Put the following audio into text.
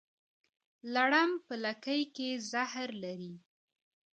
لړم په لکۍ کې زهر لري